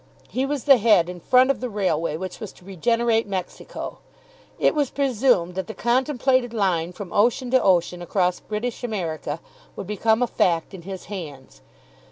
He was the head and front of the railway which was to regenerate Mexico. It was presumed that the contemplated line from ocean to ocean across British America would become a fact in his hands.